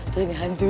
terus dia ngantuin lo